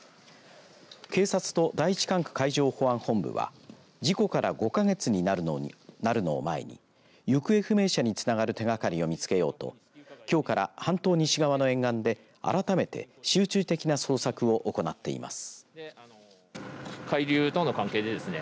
警察と第１管区海上保安本部は事故から５か月になるのを前に行方不明者につながる手がかりを見つけようときょうから半島西側の沿岸で改めて集中的な捜索を行っています。